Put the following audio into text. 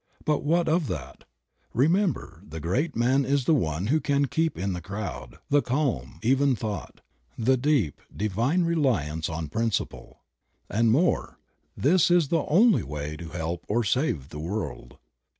But what of that? Remember, the great man is the one who can keep in the crowd the calm, even thought, the deep, divine reliance on principle. And more, this is the only way "to help or to save the world.